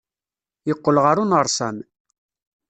Yeqqel ɣer unersam.